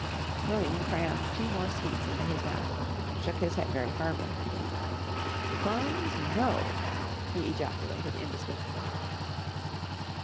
Williams crammed two more sweets into his mouth and shook his head very firmly. "Crumbs, no!" he ejaculated indistinctly.